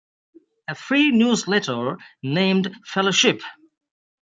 A free newsletter named fellowship!